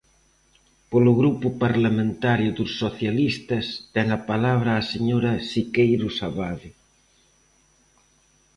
Polo Grupo Parlamentario dos Socialistas, ten a palabra a señora Siqueiros Abade.